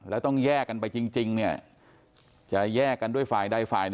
แล้วต้องแยกกันไปจริงจริงเนี้ยจะแยกกันด้วยฝ่ายใดฝ่ายหนึ่ง